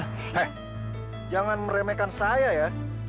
hei jangan meremehkan saya ya